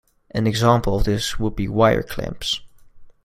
An example of this would be wire clamps.